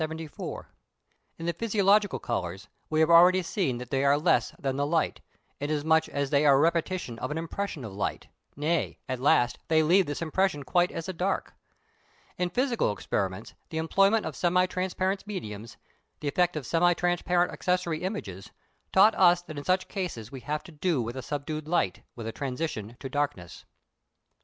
In the physiological colours we have already seen that they are less than the light, inasmuch as they are a repetition of an impression of light, nay, at last they leave this impression quite as a dark. In physical experiments the employment of semi transparent mediums, the effect of semi transparent accessory images, taught us that in such cases we have to do with a subdued light, with a transition to darkness.